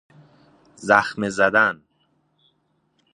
زخمه زدن